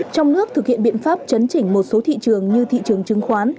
trong nước thực hiện biện pháp chấn chỉnh một số thị trường như thị trường chứng khoán